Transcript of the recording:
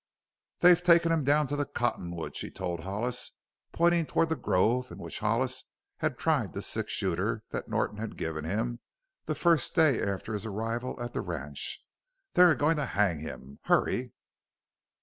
"They've taken him down to the cottonwood" she told Hollis, pointing toward the grove in which Hollis had tried the six shooter that Norton had given him the first day after his arrival at the ranch. "They are going to hang him! Hurry!"